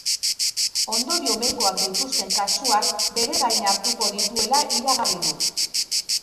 Ondorio medikoak dituzten kasuak bere gain hartuko dituela iragarri du.